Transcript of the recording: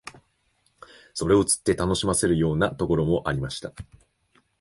それを釣って楽しませるようなところもありました